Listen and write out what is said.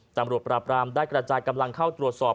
ตำรวจปราบรามได้กระจายกำลังเข้าตรวจสอบ